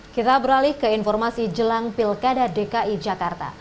kita beralih ke informasi jelang pilkada dki jakarta